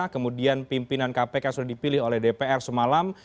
kemudian pimpinan kpk sudah dipilih oleh dpr semalam